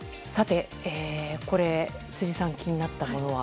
辻さん気になったものは。